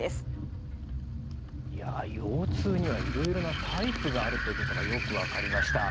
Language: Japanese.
いや腰痛にはいろいろなタイプがあるということがよく分かりました。